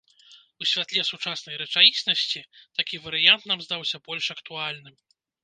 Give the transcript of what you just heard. У святле сучаснай рэчаіснасці такі варыянт нам здаўся больш актуальным.